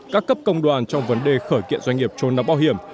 các cấp công đoàn trong vấn đề khởi kiện doanh nghiệp trốn đóng bảo hiểm